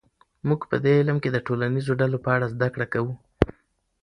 موږ په دې علم کې د ټولنیزو ډلو په اړه زده کړه کوو.